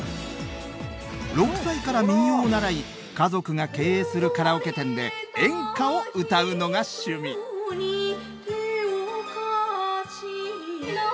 ６歳から民謡を習い家族が経営するカラオケ店で演歌を歌うのが趣味「手を貸して」